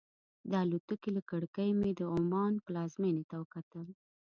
د الوتکې له کړکۍ مې د عمان پلازمېنې ته وکتل.